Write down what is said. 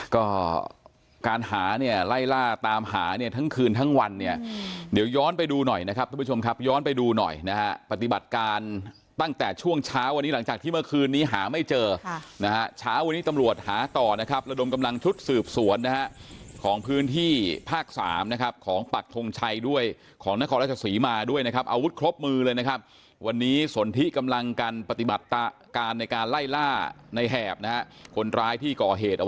ก็การหาเนี่ยไล่ล่าตามหาเนี่ยทั้งคืนทั้งวันเนี่ยเดี๋ยวย้อนไปดูหน่อยนะครับทุกผู้ชมครับย้อนไปดูหน่อยนะฮะปฏิบัติการตั้งแต่ช่วงเช้าวันนี้หลังจากที่เมื่อคืนนี้หาไม่เจอนะฮะเช้าวันนี้ตำรวจหาต่อนะครับระดมกำลังชุดสืบสวนนะฮะของพื้นที่ภาคสามนะครับของปักธงชัยด้วยของนครราชส